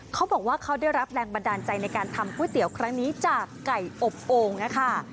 เขาบอกว่าเขาได้รับแรงบันดาลใจในการทำก๋วยเตี๋ยวครั้งนี้จากไก่อบโอ่งนะคะ